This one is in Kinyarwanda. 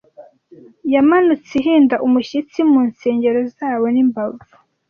Yamanutse ihinda umushyitsi mu nsengero zabo n'imbavu.